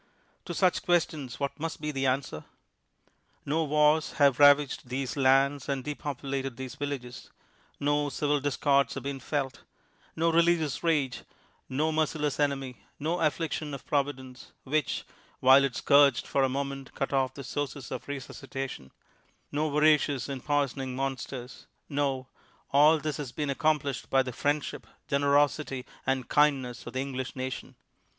To such questions, what must be the answer ? No wars have ravaged these lands and depopulated these villages— no civil discords have been felt — no religious rage —■ no merciless enemy — no affliction of Providence, ^^'hich, while it scourged for the moment, cut off the sources of resuscitation — no voracious and poisoning monsters — no ; all this has been ac complished by the friendship, generosity and kindness of the English nation.